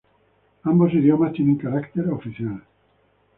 Ambos idiomas tiene carácter oficial.